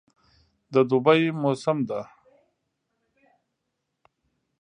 د دوبی موسم ده